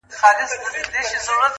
پاس د وني په ښاخونو کي یو مار وو؛